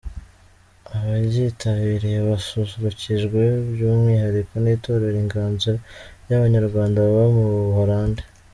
Abaryitabiriye basusurukijwe by’umwihariko n’Itorero Inganzo ry’abanyarwanda baba mu Buholandi.